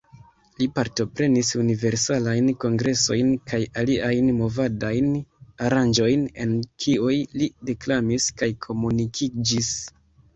Li partoprenis Universalajn Kongresojn kaj aliajn movadajn aranĝojn, en kiuj li deklamis kaj komunikiĝis.